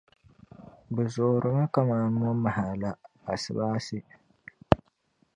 Bɛ zoorimi kaman momaha la asibaasi.